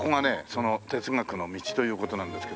その哲学の道という事なんですけどね。